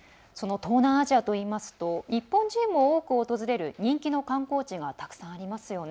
東南アジアといいますと日本人も多く訪れる人気の観光地がたくさんありますよね。